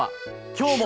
きょうも！